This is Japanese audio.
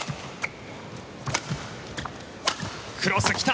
クロス、来た。